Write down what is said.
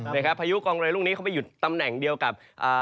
พายุกองเรือลูกนี้เขาไปหยุดตำแหน่งเดียวกับ